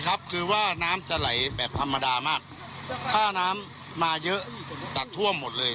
ครับคือว่าน้ำจะไหลแบบธรรมดามากถ้าน้ำมาเยอะตัดท่วมหมดเลย